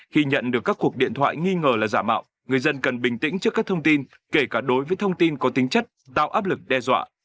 khi nhận được các cuộc điện thoại nghi ngờ là giả mạo người dân cần bình tĩnh trước các thông tin kể cả đối với thông tin có tính chất tạo áp lực đe dọa